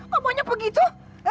kok banyak begitu